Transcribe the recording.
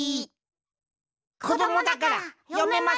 こどもだからよめません。